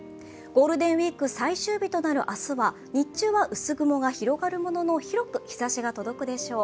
ゴールデンウイーク最終日となる明日は、日中は薄雲が広がるものの広く日ざしが届くでしょう。